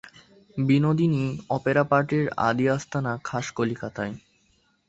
Binodini opera পার্টির আদি আস্তানা খাস কলিকাতায়।